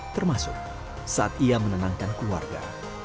termasuk saat ia menenangkan keluarga